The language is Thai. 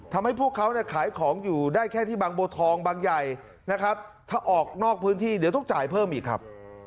พวกเขาเนี่ยขายของอยู่ได้แค่ที่บางบัวทองบางใหญ่นะครับถ้าออกนอกพื้นที่เดี๋ยวต้องจ่ายเพิ่มอีกครับ